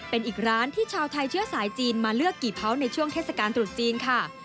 เป็นอีกร้านที่ชาวไทยเชื้อสายจีนมาเลือกกี่เผาในช่วงเทศกาลตรุษจีนค่ะ